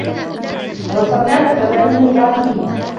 وَنَصَرناهُم فَكانوا هُمُ الغالِبينَ